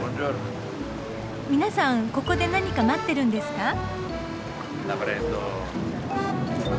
皆さんここで何か待ってるんですか？